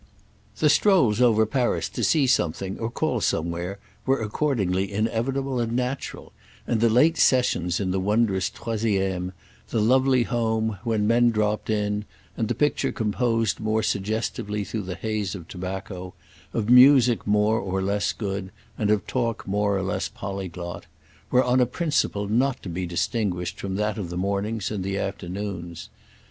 The strolls over Paris to see something or call somewhere were accordingly inevitable and natural, and the late sessions in the wondrous troisième, the lovely home, when men dropped in and the picture composed more suggestively through the haze of tobacco, of music more or less good and of talk more or less polyglot, were on a principle not to be distinguished from that of the mornings and the afternoons.